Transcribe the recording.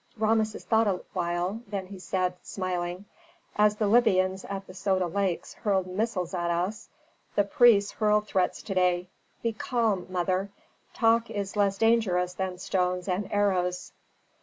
Rameses thought a while, then he said, smiling, "As the Libyans at the Soda Lakes hurled missiles at us, the priests hurl threats to day. Be calm, mother! Talk is less dangerous than stones and arrows."